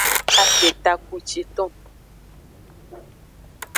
Kave takpuciton.